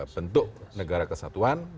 bentuk negara keseluruhan